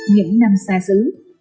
những năm xa xứ